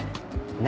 何？